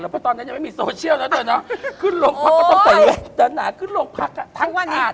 เพราะตอนนี้ยังไม่มีโซเชียลแล้อแต่ตอนนี้จะตันหนา